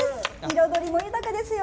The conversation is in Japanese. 彩りも豊かですよ。